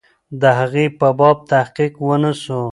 د هغې په باب تحقیق ونسو.